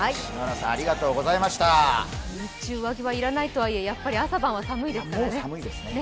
日中、上着は要らないとはいえ、朝晩の冷え込みは強いですからね。